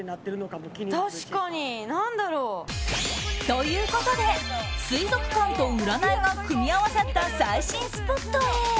ということで水族館と占いが組み合わさった最新スポットへ。